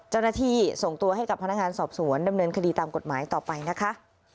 เจ้าหน้าที่ส่งตัวให้กับพนักงานสอบสวนดำเนินคดีตามกฎหมายต่อไปนะคะ